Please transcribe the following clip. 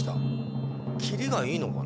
切りがいいのかな。